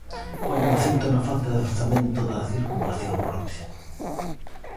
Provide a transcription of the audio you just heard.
Poñen o acento na falta de orzamento da Circunvalación Norte.